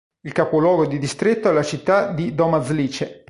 Il capoluogo di distretto è la città di Domažlice.